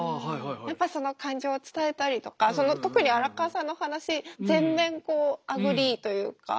やっぱりその感情を伝えたりとか特に荒川さんの話全面こうアグリーというか。